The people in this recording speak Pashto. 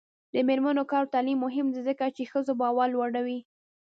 د میرمنو کار او تعلیم مهم دی ځکه چې ښځو باور لوړوي.